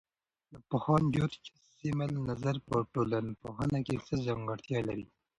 د پوهاند جورج زیمل نظر په ټولنپوهنه کې څه ځانګړتیا لري؟